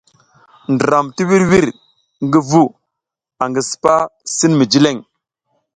Ndram ti wirwir ngi vu angi sipa sin mi jileŋ.